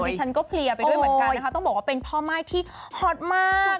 ฉันก็เพลียไปด้วยเหมือนกันนะคะต้องบอกว่าเป็นพ่อม่ายที่ฮอตมาก